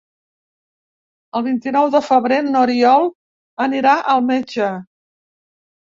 El vint-i-nou de febrer n'Oriol anirà al metge.